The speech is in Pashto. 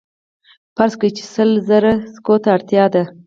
فرض کړئ چې سل زره سکو ته اړتیا ده